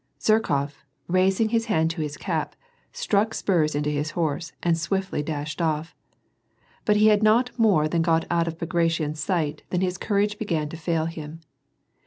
Zherkof, raising his hand to his cap, struck spurs into his horse and swiftly (lashed off. But he had not more than got out of Bagration*s sight than his courage began to fail him.